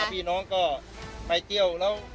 พี่น้องก็ไปเที่ยวแล้ว